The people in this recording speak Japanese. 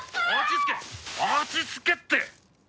落ち着けって！